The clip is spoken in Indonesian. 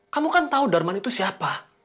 kamu kan tahu darman itu siapa